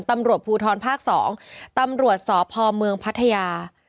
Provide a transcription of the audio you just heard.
ตำรวจภูทรภาค๒ตำรวจสภพัทยา